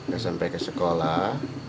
gak sampai ke sekolah